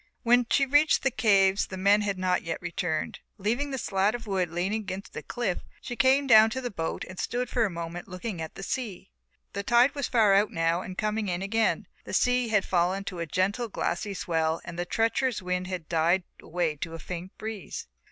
When she reached the caves the men had not yet returned; leaving the slat of wood leaning against the cliff she came down to the boat and stood for a moment looking at the sea. The tide was far out now and coming in again, the sea had fallen to a gentle glassy swell and the treacherous wind had died away to a faint breeze.